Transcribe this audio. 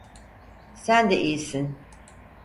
Sen de iyisin.